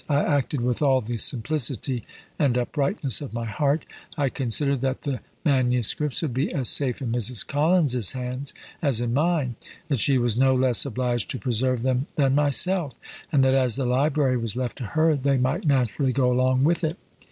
I acted with all the simplicity and uprightness of my heart; I considered that the MSS. would be as safe in Mrs. Collins's hands as in mine; that she was no less obliged to preserve them than myself; and that, as the library was left to her, they might naturally go along with it.